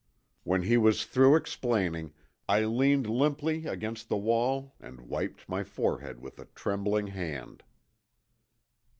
When he was through explaining I leaned limply against the wall and wiped my forehead with a trembling hand.